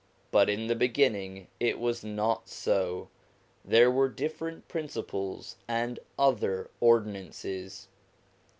But in the beginning it was not so ; there were different principles and other ordinances.